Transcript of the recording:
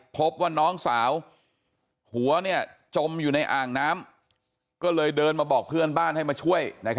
พบว่าน้องสาวหัวจมอยู่ในอ่างน้ำก็เลยเดินมาบอกเพื่อนบ้านให้มาช่วย